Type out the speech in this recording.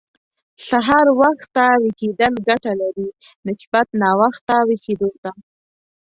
سهار وخته ويښېدل ګټه لري، نسبت ناوخته ويښېدو ته.